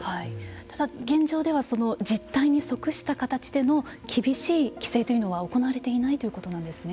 ただ、現状では実態に即した形での厳しい規制というのは行われていないということなんですね。